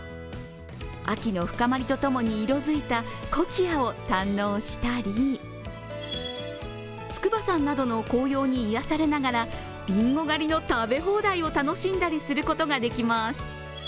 秋の深まりとともに色づいたコキアを堪能したり筑波山などの紅葉に癒やされながらりんご狩りの食べ放題を楽しんだりすることができます。